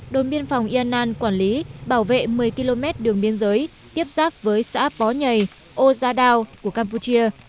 đồn biên phòng yannan quản lý bảo vệ một mươi km đường biên giới tiếp xác với xã bó nhày ô gia đao của campuchia